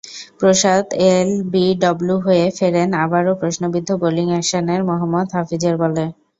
প্রসাদ LBW হয়ে ফেরেন আবারও প্রশ্নবিদ্ধ বোলিং অ্যাকশনের মোহাম্মদ হাফিজের বলে।